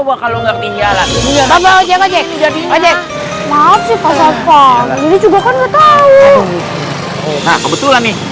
maaf sih pasal ini juga kan enggak tahu kebetulan nih